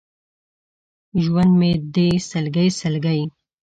ژوند مې دی سلګۍ، سلګۍ!